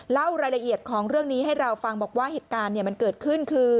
เล่ารายละเอียดของเรื่องนี้ให้เราฟังบอกว่าเหตุการณ์มันเกิดขึ้นคือ